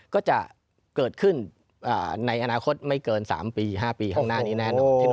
ก็จะเกิดขึ้นในอนาคตไม่เกิน๓ปี๕ปีข้างหน้านี้แน่นอน